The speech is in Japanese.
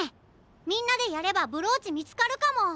みんなでやればブローチみつかるかも！